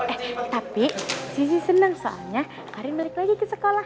eh tapi sisi senang soalnya ari balik lagi ke sekolah